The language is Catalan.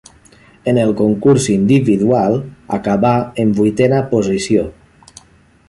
En el concurs individual acabà en vuitena posició.